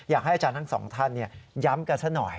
อยากให้อาจารย์ทั้งสองท่านย้ำกันซะหน่อย